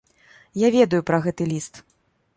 Я ведаю пра гэты ліст!